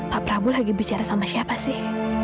pak prabowo lagi bicara sama siapa sih